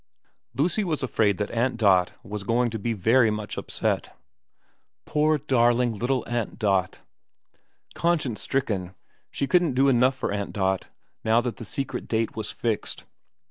Lucy was afraid Aunt Dot was going to be very much upset, poor darling little Aunt Dot. Conscience stricken, she couldn't do enough for Aunt Dot now that the secret date was fixed.